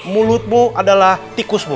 mulutmu adalah tikusmu